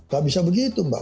gak bisa begitu mbak